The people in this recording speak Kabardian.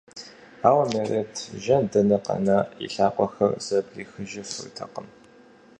Ауэ Мерэт, жэн дэнэ къэна, и лъакъуэхэр зэблихыжыфыртэкъым.